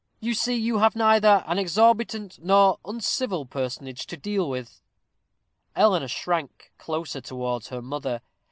You see you have neither an exorbitant nor uncivil personage to deal with." Eleanor shrank closer towards her mother.